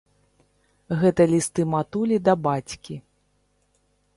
Гэта лісты матулі да бацькі.